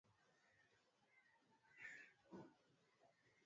Elfu moja Mia nne Manegus wakatambua kwamba msaada wa mataifa